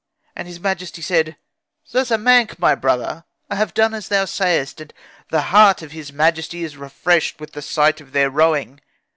And his majesty said, 'Zazamankh, my brother, I have done as thou sayedst, and the heart of his majesty is refreshed with the sight of their rowing.